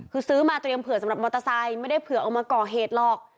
คือซื้อมาเตรียมเผื่อสำหรับมอเตอร์ไซค์ไม่ได้เผื่อเอามาก่อเหตุหรอก